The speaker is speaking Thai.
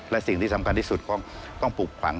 และสิ่งที่สำคัญที่สุดก็ต้องปลูกฝัง